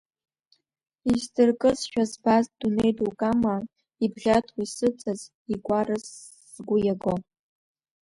Исдыркызшәа збаз дунеи дук амаа, ибӷьаҭуа исыҵаз, игәараз згәы иаго.